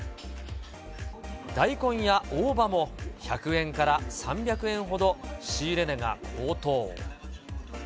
大根や大葉も１００円から３００円ほど仕入れ値が高騰。